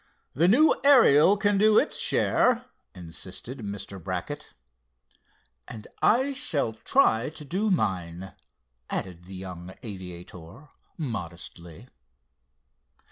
"The new Ariel can do its share," insisted Mr. Brackett. "I shall try to do mine," added the young aviator modestly.